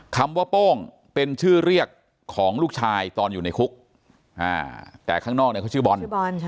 คำว่าโป้งเป็นชื่อเรียกของลูกชายตอนอยู่ในคุกแต่ข้างนอกเนี่ยเขาชื่อบอลชื่อบอล